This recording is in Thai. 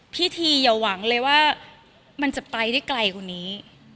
พิธีอย่าหวังเลยว่ามันจะไปได้ไกลกว่านี้